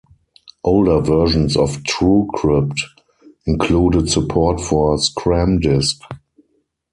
Older versions of TrueCrypt included support for ScramDisk.